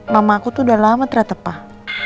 mama aku tuh udah lama teratepah